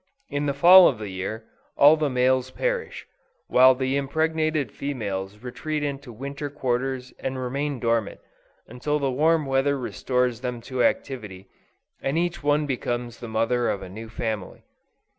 In the Fall of the year, all the males perish, while the impregnated females retreat into winter quarters and remain dormant, until the warm weather restores them to activity, and each one becomes the mother of a new family.